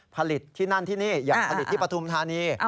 ผลิตที่นั่นที่นี่อยากผลิตที่ปฐุมธานี